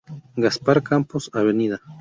Gaspar Campos, Av.